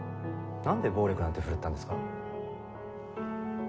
なんで暴力なんて振るったんですか？